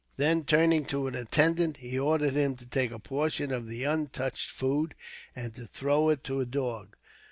Then, turning to an attendant, he ordered him to take a portion of the untouched food, and to throw it to a dog.